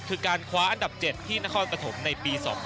คือการคว้าอันดับ๗ที่นครปฐมในปี๒๐๑๖